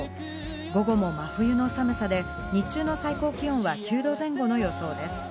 午後も真冬の寒さで日中の最高気温は９度前後の予想です。